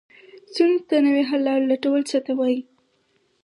ستونزو ته نوې حل لارې لټول څه ته وایي؟